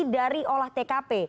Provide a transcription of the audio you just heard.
dari olah tkp